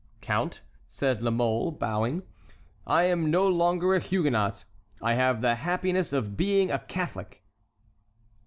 "Count," said La Mole, bowing, "I am no longer a Huguenot; I have the happiness of being a Catholic!"